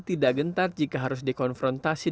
tidak gentar jika harus dikonfrontasi